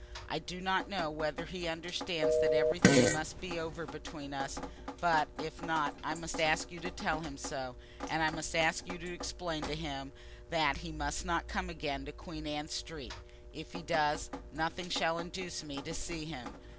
I do not know whether he understands that everything must be over between us; but, if not, I must ask you to tell him so. And I must ask you to explain to him that he must not come again to Queen Anne Street. If he does, nothing shall induce me to see him.